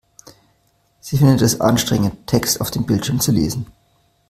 Sie findet es anstrengend, Text auf dem Bildschirm zu lesen.